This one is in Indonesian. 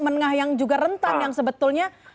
menengah yang juga rentan yang sebetulnya